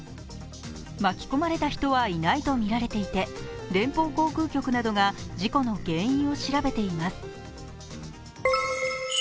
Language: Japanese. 巻き込まれた人はいないとみられていて、連邦航空局などが事故の原因を調べています。